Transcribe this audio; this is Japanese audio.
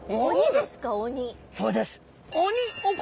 そうです！